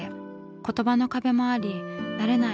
言葉の壁もあり慣れない